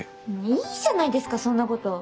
いいじゃないですかそんなこと。